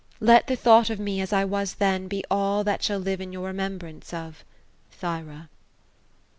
Let the thought of me, as I was then, be all that shall live in your remembrance of Thyra."